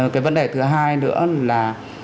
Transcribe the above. cái vấn đề thứ hai nữa là